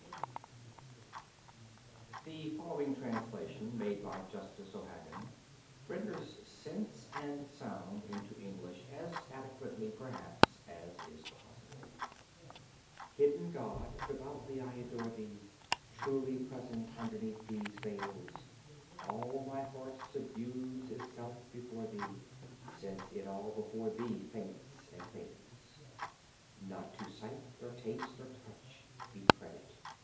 [Footnote 24: The following translation made by Justice O'Hagan renders sense and sound into English as adequately perhaps as is possible: Hidden God, devoutly I adore thee, Truly present underneath these veils: All my heart subdues itself before thee. Since it all before thee faints and fails. Not to sight, or taste, or touch be credit.